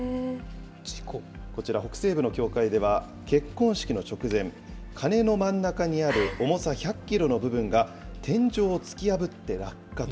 こちら北西部の教会では、結婚式の直前、鐘の真ん中にある重さ１００キロの部分が、天井を突き破って落下。